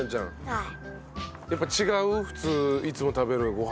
はい。